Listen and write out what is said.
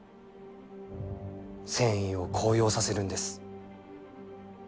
戦意を高揚させるんです。